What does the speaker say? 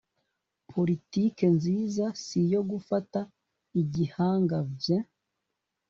politique nziza siyo gufata igihanga vy